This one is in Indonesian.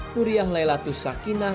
nuriyah laila tussakinah